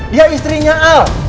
dia istrinya al